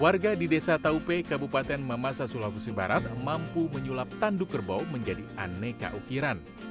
warga di desa taupe kabupaten mamasa sulawesi barat mampu menyulap tanduk kerbau menjadi aneka ukiran